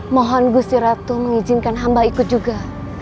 mohon gusiratu mengizinkan hamba ikut juga